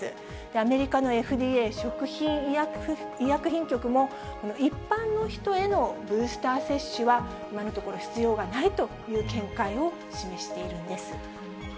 アメリカのＦＤＡ・食品医薬品局も、一般の人へのブースター接種は、今のところ必要がないという見解を示しているんです。